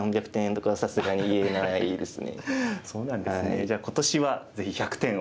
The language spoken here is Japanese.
じゃあ今年はぜひ１００点を。